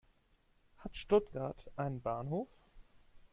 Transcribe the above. Hat Stuttgart einen Bahnhof?